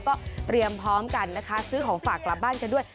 ก็เตรียมพร้อมกันนะคะซื้อของฝากกลับบ้านกันด้วย